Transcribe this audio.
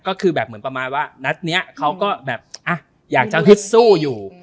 ก็คือแบบเหมือนประมาณว่านัดนี้เขาก็แบบอยากจะฮึดสู้อยู่